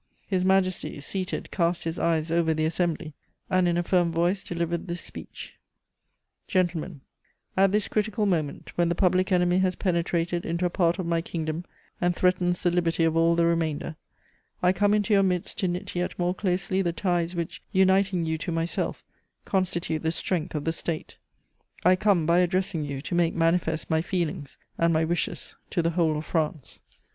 His Majesty, seated, cast his eyes over the assembly, and in a firm voice delivered this speech: [Sidenote: The King's speech.] "GENTLEMEN, "At this critical moment, when the public enemy has penetrated into a part of my kingdom and threatens the liberty of all the remainder, I come into your midst to knit yet more closely the ties which, uniting you to myself, constitute the strength of the State; I come, by addressing you, to make manifest my feelings and my wishes to the whole of France.